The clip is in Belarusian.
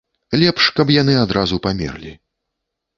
Лепш, каб яны адразу памерлі.